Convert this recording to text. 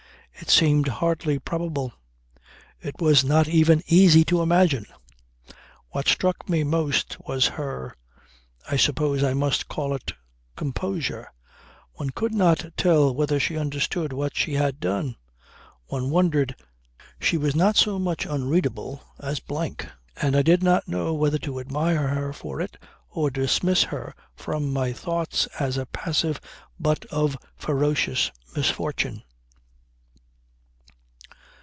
It seemed hardly probable. It was not even easy to imagine. What struck me most was her I suppose I must call it composure. One could not tell whether she understood what she had done. One wondered. She was not so much unreadable as blank; and I did not know whether to admire her for it or dismiss her from my thoughts as a passive butt of ferocious misfortune.